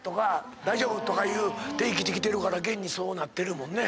大丈夫！とか言うて生きてきてるから現にそうなってるもんね。